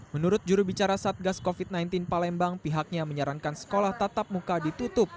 menurut jurubicara satgas covid sembilan belas palembang pihaknya menyarankan sekolah tatap muka ditutup